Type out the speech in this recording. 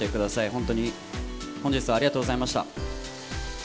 本当に本日はありがとうございました。